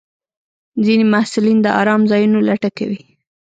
ځینې محصلین د ارام ځایونو لټه کوي.